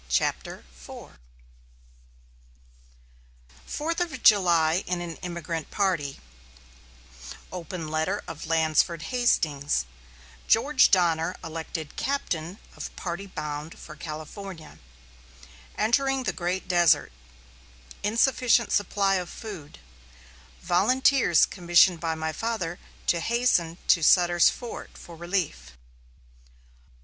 ] CHAPTER IV FOURTH OF JULY IN AN EMIGRANT PARTY OPEN LETTER OF LANSFORD HASTINGS GEORGE DONNER ELECTED CAPTAIN OF PARTY BOUND FOR CALIFORNIA ENTERING THE GREAT DESERT INSUFFICIENT SUPPLY OF FOOD VOLUNTEERS COMMISSIONED BY MY FATHER TO HASTEN TO SUTTER'S FORT FOR RELIEF.